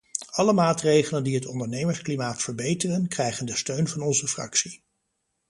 Alle maatregelen die het ondernemersklimaat verbeteren, krijgen de steun van onze fractie.